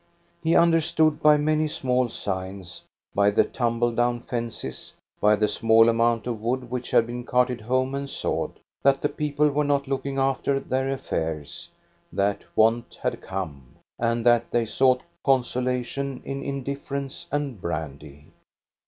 He understood by many small signs, by the tumble down fences, by the small amount of wood which had been carted home and sawed, that the people were not looking after their affairs, that want had come, and that they sought consolation in indifference and brandy.